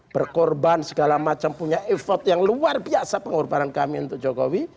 berkorban segala macam punya effort yang luar biasa pengorbanan kami untuk jokowi